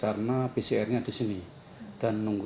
dan nunggu selama berapa hari kalau tidak tidak akan berhasil